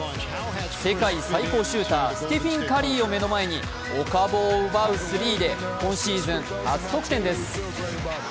世界最高シューター、ステフィン・カリーを目の前にお株を奪うスリーで、今シーズン、初得点です。